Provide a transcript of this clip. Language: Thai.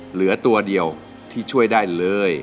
เหลือตัวเดียวที่ช่วยได้เลย